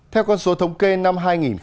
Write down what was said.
theo con số thống kê năm hai nghìn hai mươi ba